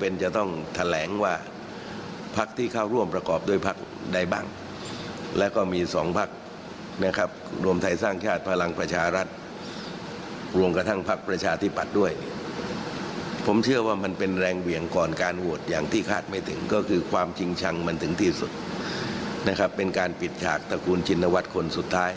เป็นการปิดฉากตระกูลชื่นวัดคนสุดท้าย